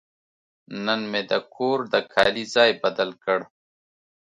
نن مې د کور د کالي ځای بدل کړ.